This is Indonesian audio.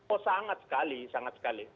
oh sangat sekali sangat sekali